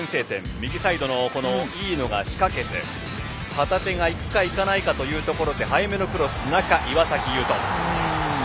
右サイドの飯野が仕掛けて旗手がいくかいかないかというところで早めのクロスで中、岩崎悠人。